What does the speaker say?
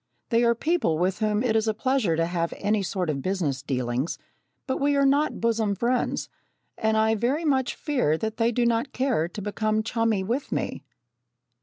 They are people with whom it is a pleasure to have any sort of business dealings, but we are not bosom friends and I very much fear that they do not care to become chummy with me.